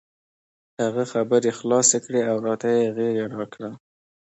هغه خبرې خلاصې کړې او راته یې غېږه راکړه.